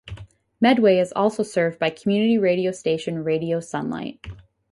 Medway is also served by community radio station Radio Sunlight.